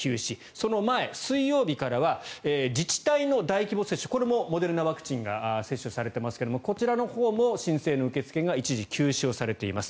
その前、水曜日からは自治体の大規模接種これもモデルナワクチンが接種されていますけれどもこちらのほうも申請の受け付けが一時休止されています。